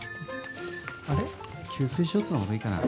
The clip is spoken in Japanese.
あれ吸水ショーツの方がいいかな。